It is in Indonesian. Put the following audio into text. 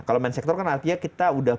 kalau main sektor kan artinya kita udah